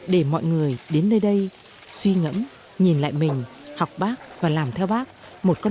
để mọi người đến nơi đây suy ngẫm nhìn lại mình học bác và làm theo bác